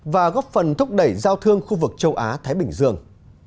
và góp phần thúc đẩy giao thương khu vực châu á thái bình dương